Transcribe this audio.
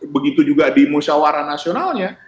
begitu juga di musyawara nasionalnya